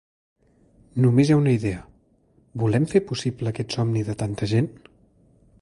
Només hi ha una idea: volem fer possible aquest somni de tanta gent?